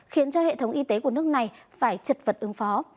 khiến cho hệ thống y tế của nước này phải chật vật ứng phó